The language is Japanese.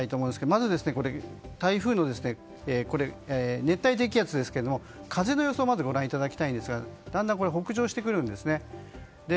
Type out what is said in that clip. まず熱帯低気圧ですけども風の予想をご覧いただきたいんですがだんだん北上してくるんですね。